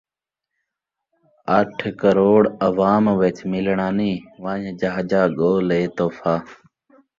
آٹھ کروڑ عوام وچ ملݨاں نی ونڄ ڄاہ ڄاہ ڳول اے تحفہ